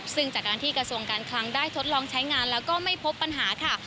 ซึ่งจากการที่กระทรวงการคลังได้ทดลองใช้งานแล้วก็ไม่พบปัญหาค่ะ